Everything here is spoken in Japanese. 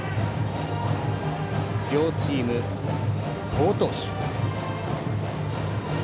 両チーム、好投手。